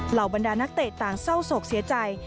บรรดานักเตะต่างเศร้าโศกเสียใจ